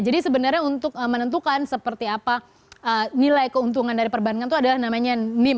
jadi sebenarnya untuk menentukan seperti apa nilai keuntungan dari perbankan itu adalah namanya nim